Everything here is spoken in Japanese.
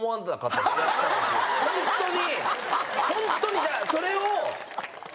ホントにそれを。